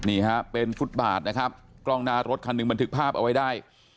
นี่ฮะเป็นฟุตบาทนะครับกล้องหน้ารถคันหนึ่งบันทึกภาพเอาไว้ได้